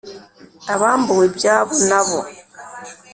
abambuwe ibyabo n'abo “